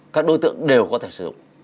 các đối tượng đều có thể sử dụng